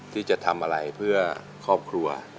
ที่จะทำอะไรเพื่อครอบครัว